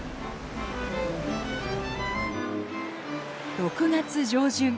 ６月上旬。